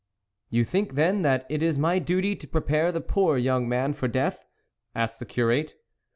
" You think then that it is my duty to prepare the poor young man for death," asked the curate.